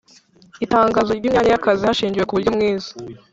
itangazo ry imyanya y akazi hashingiwe kubyo mwize